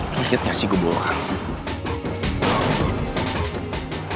lu liat gak sih gua bawa kamu